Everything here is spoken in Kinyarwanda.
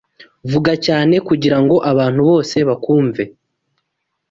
Vuga cyane kugirango abantu bose bakwumve.